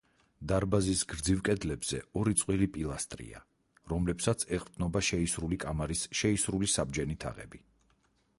დარბაზის გრძივ კედლებზე ორი წყვილი პილასტრია, რომლებსაც ეყრდნობა შეისრული კამარის შეისრული საბჯენი თაღები.